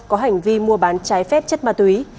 có hành vi mua bán trái phép chất ma túy